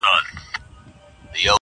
o د خوار کور له دېواله معلومېږي٫